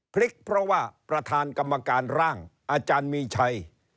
พลิกเพราะว่าประธานกรรมการร่างอาจารย์มีชัย